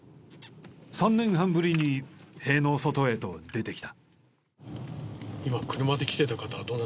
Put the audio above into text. ３年半ぶりに塀の外へと出てきた。